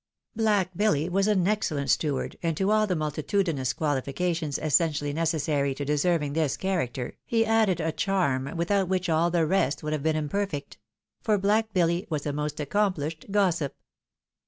Black Billy was an excellent steward, and to all the multi tudinous quaUiications essentially necessary to deserving this character, he added a charm, without which all the rest would have been imperfect — for Black Billy was a most acoomphshed gossip.